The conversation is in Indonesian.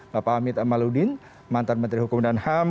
bapak amit amaluddin mantan menteri hukum dan ham